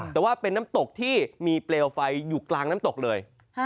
แต่ว่าเป็นน้ำตกที่มีเปลวไฟอยู่กลางน้ำตกเลย